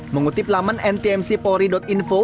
mengutip laman ntmcpori info